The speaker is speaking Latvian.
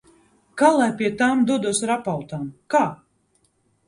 Kā lai pie tām dodos ar apautām? Kā?